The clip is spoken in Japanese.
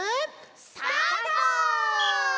スタート！